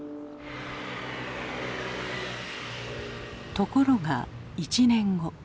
ところが１年後。